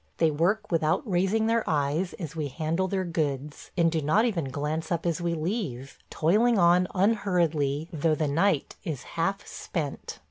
They work without raising their eyes as we handle their goods, and do not even glance up as we leave, toiling on unhurriedly, though the night is half spent.